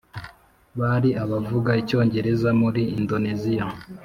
Bali Abavuga icyongereza muri Indoneziya